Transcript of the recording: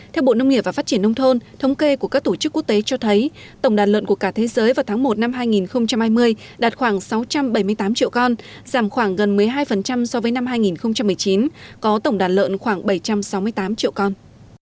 theo bộ nông nghiệp và phát triển nông thôn thống kê của các tổ chức quốc tế cho thấy tổng đàn lợn của cả thế giới vào tháng một năm hai nghìn hai mươi đạt khoảng sáu trăm bảy mươi tám triệu con giảm khoảng gần một mươi hai so với năm hai nghìn một mươi chín có tổng đàn lợn khoảng bảy trăm sáu mươi tám triệu con